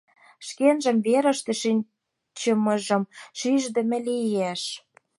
Шкенжым, верыште шинчымыжым шиждыме лиеш.